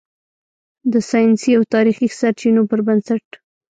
د "ساینسي او تاریخي سرچینو" پر بنسټ